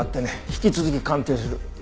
引き続き鑑定する。